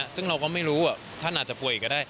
ซึ่งเราก็ไม่รู้ว่าท่านอาจจะป่วยก็ได้